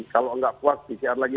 kalau nggak puas pcr lagi